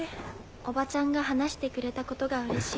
おばちゃんが話してくれたことがうれしい。